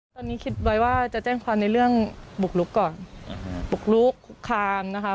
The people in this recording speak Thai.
ตอนนี้คิดไว้ว่าจะแจ้งความในเรื่องบุกลุกก่อนบุกลุกคุกคามนะคะ